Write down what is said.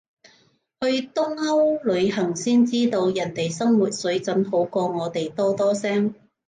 去東歐旅行先知道，人哋生活水準好過我哋多多聲